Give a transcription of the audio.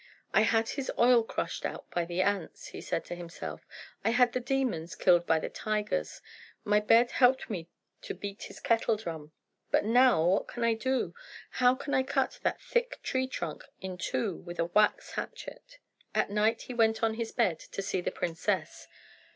"I had his oil crushed out by the ants," he said to himself. "I had his demons killed by the tigers. My bed helped me to beat his kettle drum. But now what can I do? How can I cut that thick tree trunk in two with a wax hatchet?" At night he went on his bed to see the princess.